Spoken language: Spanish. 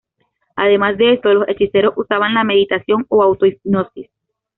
Además de esto los hechiceros usaban la meditación o auto hipnosis.